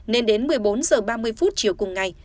nên đến một mươi bốn h ba mươi chiều cùng ngày